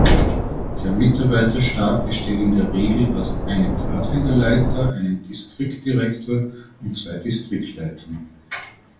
Der Mitarbeiterstab besteht in der Regel aus einem Pfadfinderleiter, einem Distriktdirektor und zwei Distriktleitern.